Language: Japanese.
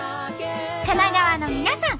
神奈川の皆さん